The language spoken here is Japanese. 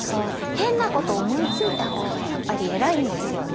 変なことを思いついた方がやっぱり偉いんですよね。